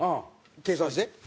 計算して。